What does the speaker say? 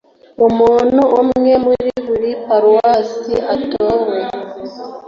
umuntu umwe muri buri paruwase atowe